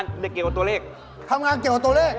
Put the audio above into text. เชื่อมั้ย